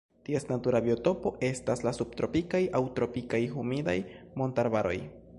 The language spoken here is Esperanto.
Ties natura biotopo estas la subtropikaj aŭ tropikaj humidaj montarbaroj.